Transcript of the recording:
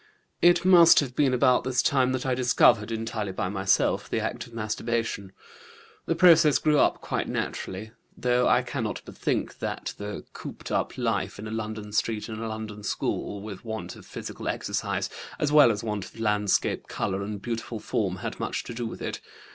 "It must have been at about this time that I discovered entirely by myself the act of masturbation. The process grew up quite naturally, though I cannot but think that the cooped up life in a London street and a London school, with want of physical exercise, as well as want of landscape, color, and beautiful form, had much to do with it.